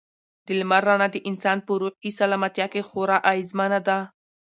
د لمر رڼا د انسان په روحي سلامتیا کې خورا اغېزمنه ده.